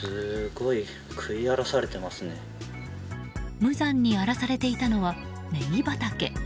無残に荒らされていたのはネギ畑。